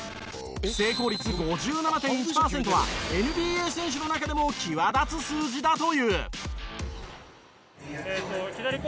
成功率５７．１パーセントはＮＢＡ選手の中でも際立つ数字だという。